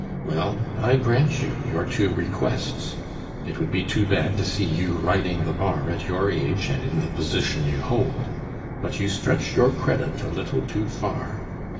Well, I grant you your two requests; it would be too bad to see you riding the bar at your age and in the position you hold. But you stretch your credit a little too far.